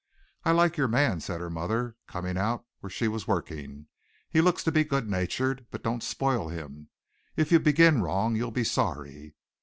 "I like your man," said her mother, coming out where she was working. "He looks to be good natured. But don't spoil him. If you begin wrong you'll be sorry."